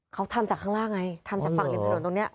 เขาทำจากข้างล่างไงทำจากฝั่งเดียวตลอดตลงเนี้ย